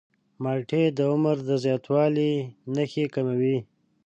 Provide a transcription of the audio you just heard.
مالټې د عمر د زیاتوالي نښې کموي.